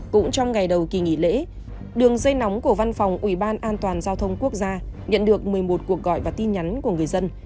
cũng trong ngày đầu kỳ nghỉ lễ đường dây nóng của văn phòng ủy ban an toàn giao thông quốc gia nhận được một mươi một cuộc gọi và tin nhắn của người dân